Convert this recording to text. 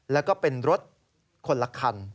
แล้วก็เป็นรถคนละคัน